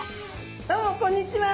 どうもこんにちは。